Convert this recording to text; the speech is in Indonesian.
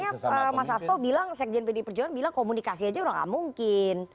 tapi ini kayaknya mas astow bilang sekjen bd perjuangan bilang komunikasi aja udah gak mungkin